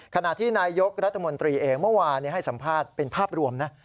ขณะที่นายยกรัฐมนตรีเองเมื่อวานให้สัมภาษณ์เป็นภาพรวมนะ